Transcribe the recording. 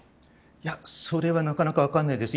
それはなかなか分からないです。